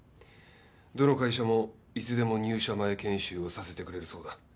どの会社もいつでも入社前研修をさせてくれるそうだ。